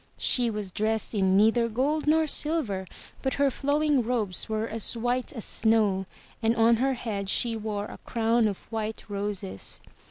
She was dressed in neither gold nor silver, but her flowing robes were as white as snow, and on her head she wore a crown of white roses.